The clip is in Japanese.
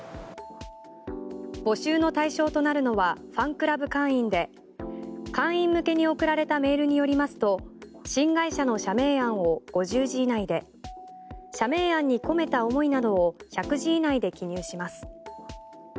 募集の対象となるのはファンクラブ会員で会員向けに送られたメールによりますと新会社の社名案を５０字以内で社名案に込めた思いなどを１００字以内で記入します。